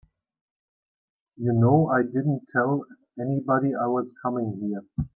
You know I didn't tell anybody I was coming here.